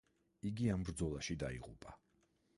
იგი ამ ბრძოლაში დაიღუპა.